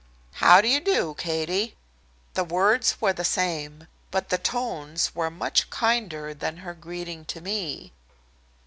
"How do you do, Katie?" The words were the same, but the tones were much kinder than her greeting to me.